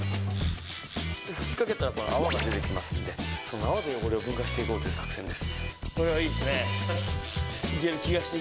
吹きかけたら泡が出てきますんで、その泡で汚れを分解していこうという作戦です。